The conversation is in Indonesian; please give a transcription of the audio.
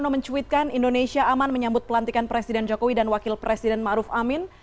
mencuitkan indonesia aman menyambut pelantikan presiden jokowi dan wakil presiden ma'ruf amin